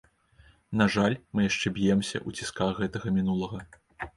На жаль, мы яшчэ б'емся ў цісках гэтага мінулага.